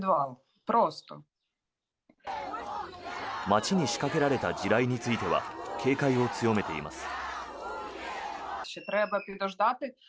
街に仕掛けられた地雷については警戒を強めています。